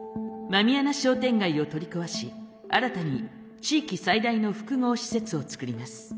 狸穴商店街を取り壊し新たに地域最大の複合施設を作ります。